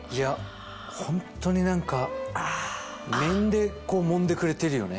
ホントに何か面でもんでくれてるよね